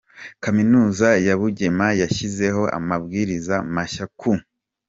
Kaminuza ya Bugema yashyizeho amabwiriza mashya ku